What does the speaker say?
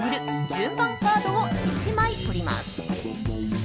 順番カードを１枚取ります。